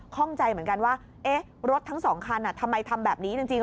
ข้องใจเหมือนกันว่ารถทั้งสองคันทำไมทำแบบนี้จริง